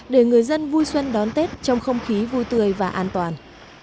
để người dân vui xuân đón tết trong không khí vui tươi và an toàn